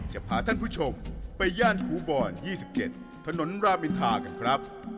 จะพาท่านผู้ชมไปย่านขุบรยี่สิบเจ็ดถนนราบินทากันครับ